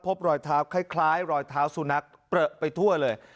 พบรอยเท้าคล้ายรอยเท้าสุนัขเปลือไปทั่วเลย